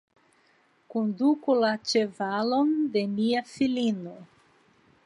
Konduku la ĉevalon de mia filino.